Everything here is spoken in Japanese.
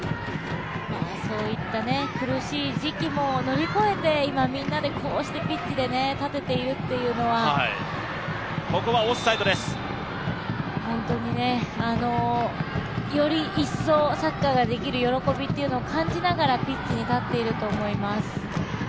そういった苦しい時期も乗り越えて今、みんなでこうしてピッチに立てているというのは本当により一層サッカーができる喜びというのを感じながらピッチに立ってると思います。